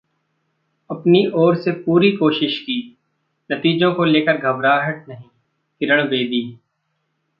अपनी ओर से पूरी कोशिश की, नतीजों को लेकर घबराहट नहीं: किरण बेदी